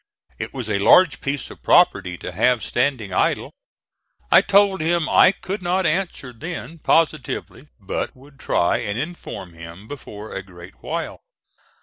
It was a large piece of property to have standing idle. I told him I could not answer then positively but would try and inform him before a great while.